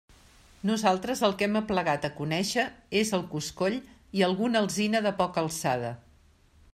Nosaltres el que hem aplegat a conéixer és el coscoll i alguna alzina de poca alçada.